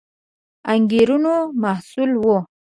انګېرنو محصول وو